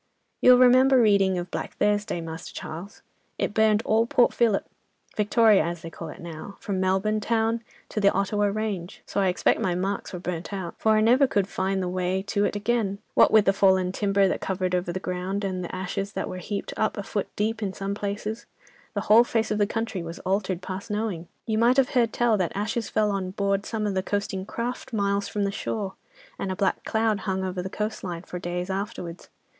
"'You'll remember reading of Black Thursday, Master Charles? it burned all Port Phillip, Victoria as they call it now, from Melbourne town to the Ottawa range. So I expect my marks were burnt out. For I never could find the way to it again: what with the fallen timber that covered over the ground, and the ashes that was heaped up a foot deep in some places, the whole face of the country was altered past knowing. You might have heard tell that ashes fell on board some of the coasting craft miles from the shore, and a black cloud hung over the coastline, for days afterwards.